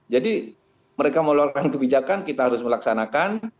jadi mereka melakukan kebijakan kita harus melaksanakan